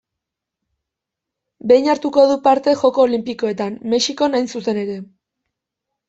Behin hartu du parte Joko Olinpikoetan: Mexikon hain zuzen ere.